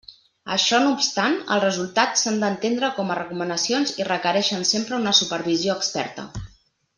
Això no obstant, els resultats s'han d'entendre com a recomanacions, i requereixen sempre una supervisió experta.